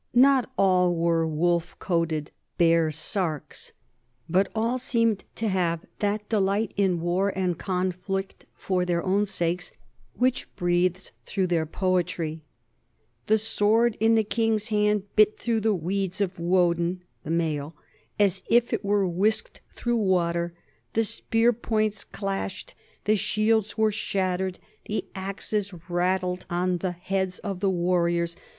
Not all were wolf coated Bearsarks, but all seemed to have that delight in war and conflict for their own sakes which breathes through their poetry: The sword in the king's hand bit through the weeds of Woden [mail] as if it were whisked through water, the spear points clashed, the shields were shattered, the axes rattled on the heads of the warriors.